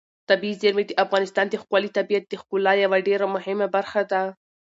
طبیعي زیرمې د افغانستان د ښكلي طبیعت د ښکلا یوه ډېره مهمه برخه ده.